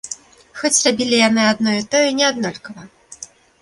Хоць рабілі яны адно і тое неаднолькава.